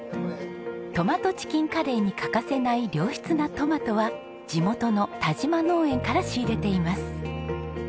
トマトチキンカレーに欠かせない良質なトマトは地元の田島農園から仕入れています。